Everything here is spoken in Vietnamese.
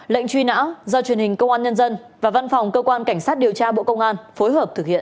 lệnh truy nã do truyền hình công an nhân dân và văn phòng cơ quan cảnh sát điều tra bộ công an phối hợp thực hiện